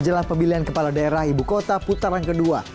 jelang pemilihan kepala daerah ibu kota putaran kedua